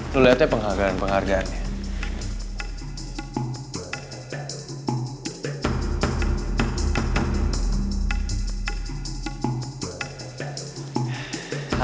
lo liat ya penghargaan penghargaannya